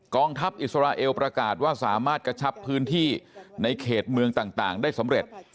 ทัพอิสราเอลประกาศว่าสามารถกระชับพื้นที่ในเขตเมืองต่างได้สำเร็จ